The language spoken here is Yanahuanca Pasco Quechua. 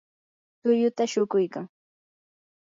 tulluta shuquykan.